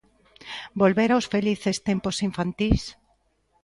Volver aos felices tempos infantís?